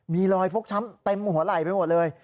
มีรอยฟกช้ำเต็มหัวไหล่ไปหมดเลย